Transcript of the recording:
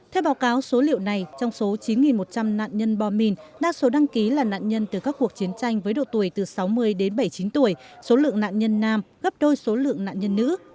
theo báo cáo số liệu này trong số chín một trăm linh nạn nhân bom mìn đa số đăng ký là nạn nhân từ các cuộc chiến tranh với độ tuổi từ sáu mươi đến bảy mươi chín tuổi số lượng nạn nhân nam gấp đôi số lượng nạn nhân nữ